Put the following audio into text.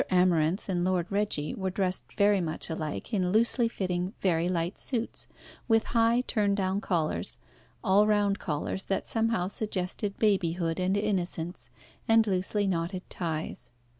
Amarinth and Lord Reggie were dressed very much alike in loosely fitting very light suits, with high turn down collars, all round collars that somehow suggested babyhood and innocence, and loosely knotted ties.